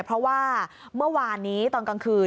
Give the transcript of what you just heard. เพราะว่าเมื่อวานนี้ตอนกลางคืน